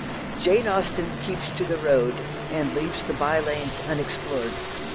Jane Austen keeps to the road, and leaves the by lanes unexplored.